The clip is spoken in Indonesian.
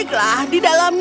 seumur terbaru di masa ini